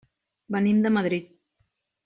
Venim de Madrid.